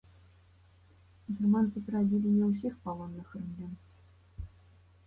Германцы перабілі не ўсіх палонных рымлян.